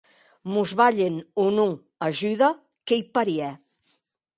Mos balhen o non ajuda, qu’ei parièr!